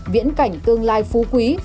viễn cảnh tương lai phú quý